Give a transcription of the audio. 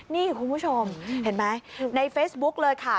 นี่คุณผู้ชมเห็นไหมในเฟซบุ๊กเลยค่ะ